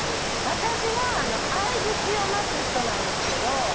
私は相槌を待つ人なんですけど。